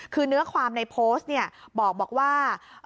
คือเนื้อความในโพสต์เนี่ยบอกว่า